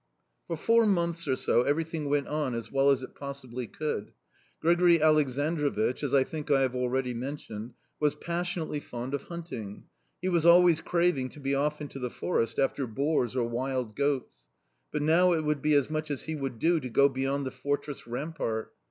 "For four months or so everything went on as well as it possibly could. Grigori Aleksandrovich, as I think I have already mentioned, was passionately fond of hunting; he was always craving to be off into the forest after boars or wild goats but now it would be as much as he would do to go beyond the fortress rampart.